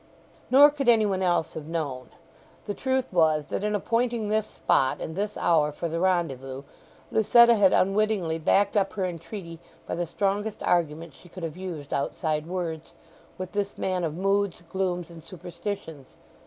Nor could any one else have known. The truth was that in appointing this spot, and this hour, for the rendezvous, Lucetta had unwittingly backed up her entreaty by the strongest argument she could have used outside words, with this man of moods, glooms, and superstitions.